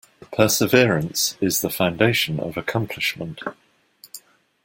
Perseverance is the foundation of accomplishment.